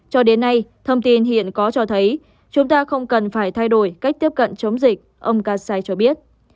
cho đến nay thông tin hiện có cho thấy chúng ta không cần phải thay đổi cách tiếp cận chống dịch ông kassai cho biết